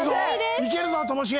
いけるぞともしげ。